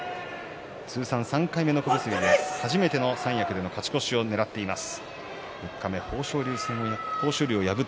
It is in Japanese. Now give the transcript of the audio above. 通算３回目の小結で初めての三役での勝ち越しをねらっています。